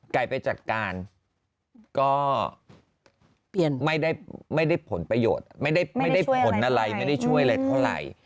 ไก่ไปจัดการก็ไม่ได้ผลประโยชน์ไม่ได้ผลอะไรไม่ได้ช่วยอะไรเท่าไหร่